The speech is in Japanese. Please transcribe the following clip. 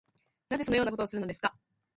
なぜそのようなことをするのですか